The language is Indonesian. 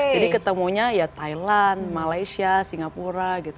jadi ketemunya ya thailand malaysia singapura gitu